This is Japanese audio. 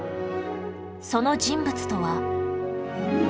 その人物とは